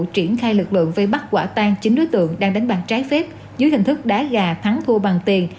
triển khai lực lượng vây bắt quả tan chín đối tượng đang đánh bạc trái phép dưới hình thức đá gà thắng thua bằng tiền